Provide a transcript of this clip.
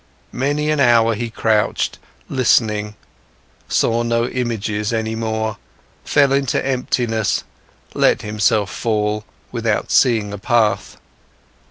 Many an hour he crouched, listening, saw no images any more, fell into emptiness, let himself fall, without seeing a path.